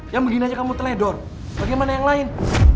yang begini aja kamu teledor bagaimana yang lain